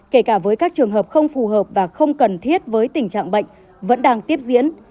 kể cả với các trường hợp không phù hợp và không cần thiết với tình trạng bệnh vẫn đang tiếp diễn